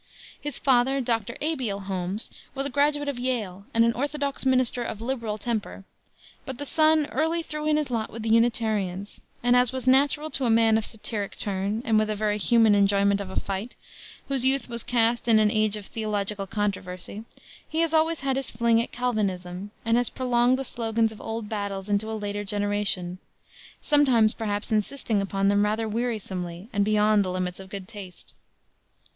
His father, Dr. Abiel Holmes, was a graduate of Yale and an orthodox minister of liberal temper, but the son early threw in his lot with the Unitarians; and, as was natural to a man of a satiric turn and with a very human enjoyment of a fight, whose youth was cast in an age of theological controversy, he has always had his fling at Calvinism and has prolonged the slogans of old battles into a later generation; sometimes, perhaps, insisting upon them rather wearisomely and beyond the limits of good taste.